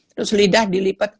terus lidah dilipat